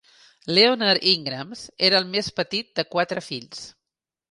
Leonard Ingrams era el més petit de quatre fills.